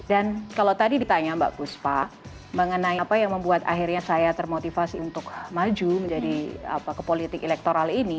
dan kalau tadi ditanya mbak guspa mengenai apa yang membuat akhirnya saya termotivasi untuk maju menjadi kepolitik elektoral ini